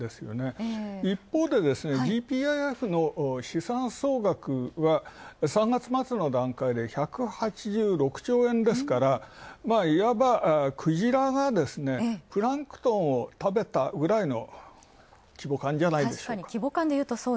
一方でＧＰＩＦの資産総額は３月末の段階で１８６兆円ですからいわば、くじらがプランクトンを食べたくらいの規模感と。